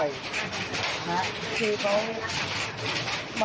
ก็แค่มีเรื่องเดียวให้มันพอแค่นี้เถอะ